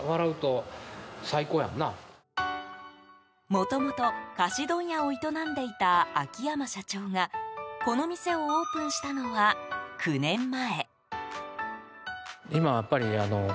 もともと菓子問屋を営んでいた秋山社長がこの店をオープンしたのは９年前。